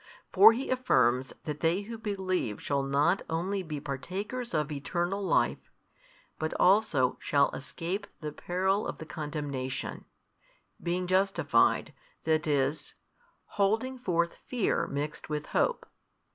For He affirms that they who believe shall not only be partakers of eternal life, but also shall escape the peril of the condemnation, being justified, that is: holding forth fear mixed with hope.